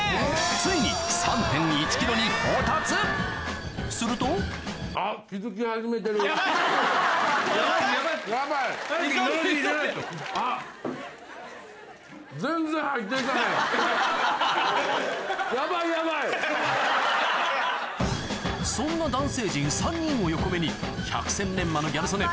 ついにに到達するとそんな男性陣３人を横目に百戦錬磨のギャル曽根